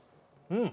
うん！